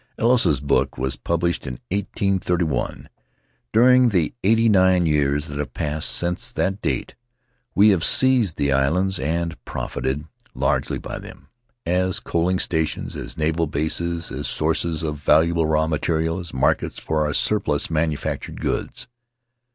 "Ellis's book was published in eighteen thirty one. During the eighty nine years that have passed since that date we have seized the islands and profited largely by them — as coaling stations, as naval bases, as sources of valuable raw material, as markets for our surplus manufactured goods.